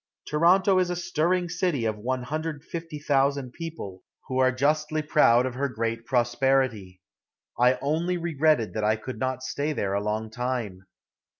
Toronto is a stirring city of 150,000 people, who are justly proud of her great prosperity. I only regretted that I could not stay there a long time.